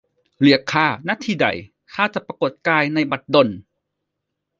เรียกข้า ณ ที่ใด ข้าจักปรากฎกายในบัดดล